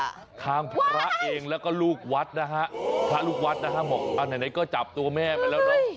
ชื่อกลางพระเองแล้วลูกวัทธ์นะฮะพระลูกวัทธ์นะฮะมองอาจจะจับตัวแม่ไปแล้วเหรอ